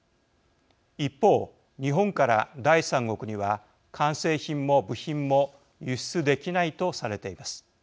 一方、日本から第三国には完成品も部品も輸出できないとされています。